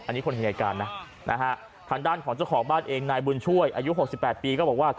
อันนี้คนเห็นเหตุการณ์นะทางด้านของเจ้าของบ้านเองนายบุญช่วยอายุ๖๘ปีก็บอกว่า